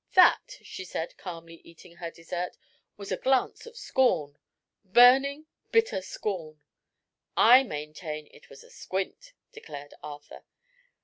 "That," she said, calmly eating her dessert, "was a glance of scorn burning, bitter scorn!" "I maintain it was a squint," declared Arthur.